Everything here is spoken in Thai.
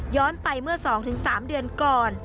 ไปเมื่อ๒๓เดือนก่อน